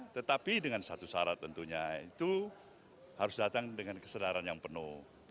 tetapi dengan satu syarat tentunya itu harus datang dengan kesadaran yang penuh